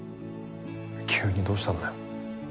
急にどうしたんだよ？